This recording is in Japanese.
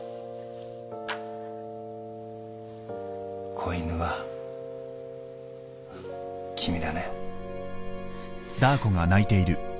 子犬は君だね？